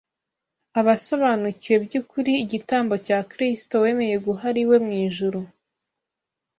Abasobanukiwe by’ukuri igitambo cya Kristo wemeye guhara iwe mu ijuru